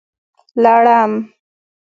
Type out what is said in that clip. لړم